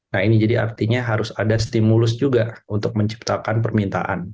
nah ini jadi artinya harus ada stimulus juga untuk menciptakan permintaan